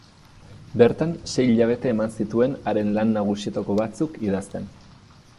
Bertan sei hilabete eman zituen haren lan nagusietako batzuk idazten.